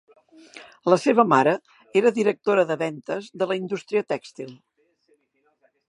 La seva mare era directora de ventes de la indústria tèxtil.